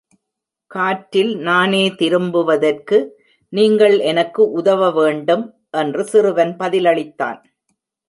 "காற்றில் நானே திரும்புவதற்கு, நீங்கள் எனக்கு உதவ வேண்டும் " என்று சிறுவன் பதிலளித்தான்.